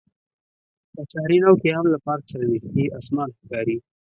په شهر نو کې هم له پارک سره نژدې اسمان ښکاري.